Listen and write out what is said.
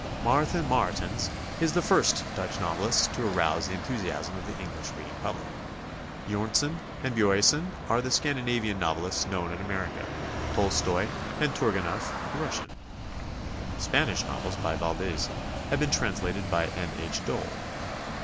Maarten Maartens is the first Dutch novelist to arouse the enthusiasm of the English reading public. Bjornson and Boyesen are the Scandinavian novelists known in Amer ica, Tolstoi and Turgenieff the Russian. Spanish novels by Valdes have been translated by N. H. Dole.